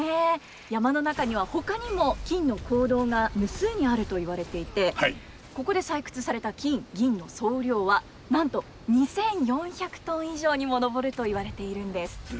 山の中にはほかにも金の坑道が無数にあると言われていてここで採掘された金銀の総量はなんと２，４００トン以上にも上ると言われているんです。